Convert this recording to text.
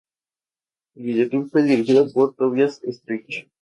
El videoclip fue dirigido por Tobias Stretch.